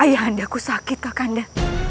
ayah anda aku sakit kakak anda